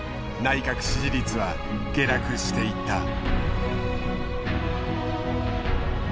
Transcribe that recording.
内閣支持率は下落していった。